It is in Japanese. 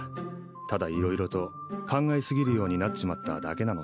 ただ色々と考え過ぎるようになっちまっただけなのさ。